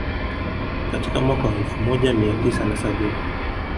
Katika mwaka wa elfu moj mia tisa na sabini